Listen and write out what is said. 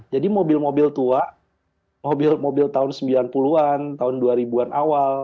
jadi mobil mobil tua mobil mobil tahun sembilan puluh an tahun dua ribu an awal